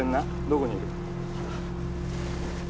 どこにいる？はあ？